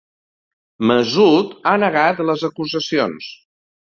Masood ha negat les acusacions.